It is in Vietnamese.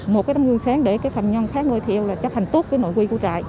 một cái tấm gương sáng để cái phạm nhân khác nuôi theo là chấp hành tốt cái nội quy của trại